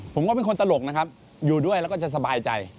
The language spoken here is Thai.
ผมก็เป็นคนตลกนะครับอยู่ด้วยแล้วก็จะสบายใจ